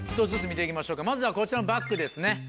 １つずつ見て行きましょうかまずはこちらのバッグですね。